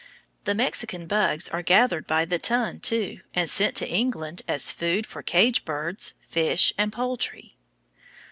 The Mexican bugs are gathered by the ton, too, and sent to England as food for cage birds, fish, and poultry.